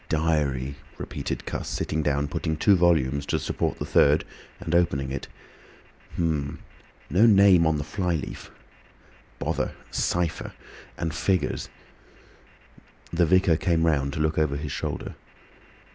"Diary," repeated Cuss, sitting down, putting two volumes to support the third, and opening it. "H'm—no name on the fly leaf. Bother!—cypher. And figures." The vicar came round to look over his shoulder.